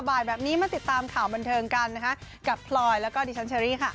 บ่ายแบบนี้มาติดตามข่าวบันเทิงกันนะคะกับพลอยแล้วก็ดิฉันเชอรี่ค่ะ